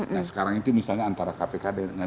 nah sekarang itu misalnya antara kpk dengan